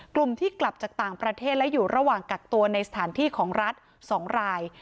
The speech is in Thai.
กลุ่มที่กลับจากต่างประเทศและอยู่ระหว่างกักตัวในสถานที่ของรัฐ๒ราย